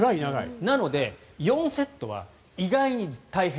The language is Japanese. なので、４セットは意外に大変。